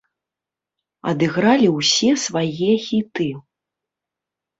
Адыгралі ўсе свае хіты.